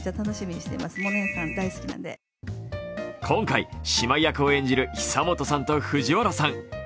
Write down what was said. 今回、姉妹役を演じる久本さんと藤原さん。